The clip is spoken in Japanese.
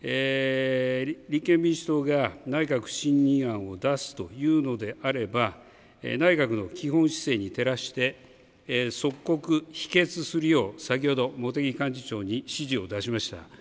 立憲民主党が内閣不信任案を出すというのであれば内閣の基本姿勢に照らして即刻否決するよう先ほど茂木幹事長に指示を出しました。